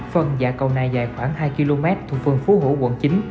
phần dạ cầu này dài khoảng hai km thuộc phường phú hữu quận chín